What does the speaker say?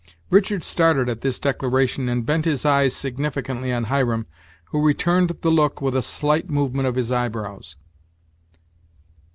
Richard started at this declaration and bent his eyes significantly on Hiram, who returned the look with a slight movement of his eyebrows.